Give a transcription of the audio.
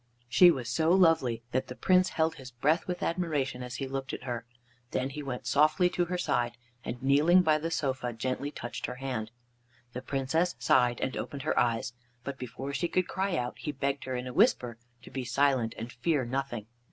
She was so lovely that the Prince held his breath with admiration as he looked at her. Then he went softly to her side, and, kneeling by the sofa, gently touched her hand. The Princess sighed and opened her eyes, but before she could cry out, he begged her in a whisper to be silent and fear nothing.